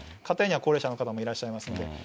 家庭には高齢者の方もいらっしゃいますので。